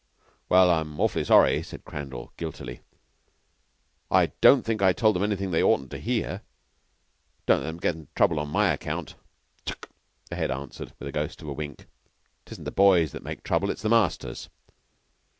"Well, I'm awf'ly sorry," said Crandall guiltily. "I don't think I told 'em anything they oughtn't to hear. Don't let them get into trouble on my account." "Tck!" the Head answered, with the ghost of a wink. "It isn't the boys that make trouble; it's the masters.